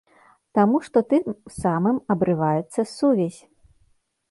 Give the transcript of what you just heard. Таму што тым самым абрываецца сувязь.